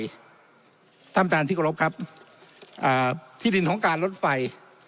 ท่านประธานที่กรบครับอ่าที่ดินของการลดไฟ